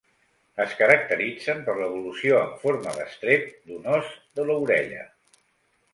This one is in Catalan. Es caracteritzen per l'evolució en forma d'estrep d'un os de l'orella.